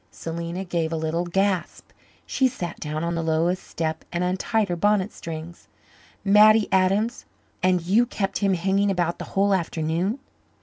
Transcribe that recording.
Selena gave a little gasp. She sat down on the lowest step and untied her bonnet strings. "Mattie Adams! And you kept him hanging about the whole afternoon."